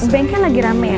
bengkel lagi rame ya